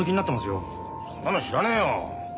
そんなの知らねえよ。